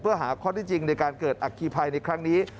เพื่อหาข้อที่จริงในการเกิดอัคคีภัยในครั้งนี้